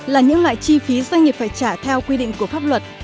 là những loại chi phí doanh nghiệp phải trả theo quy định của pháp luật